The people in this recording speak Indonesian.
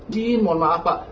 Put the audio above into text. jadi mohon maaf pak